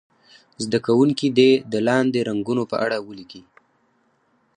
زده کوونکي دې د لاندې رنګونو په اړه ولیکي.